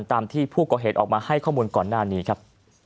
ตามที่ผู้ก่อเหตุออกมาให้ข้อมูลก่อนหน้านี้ครับ